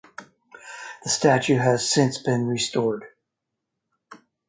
The statue has since been restored.